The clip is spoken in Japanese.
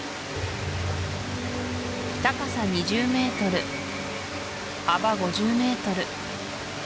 高さ２０ｍ幅５０ｍ